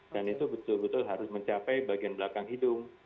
dan itu betul betul harus mencapai bagian belakang hidung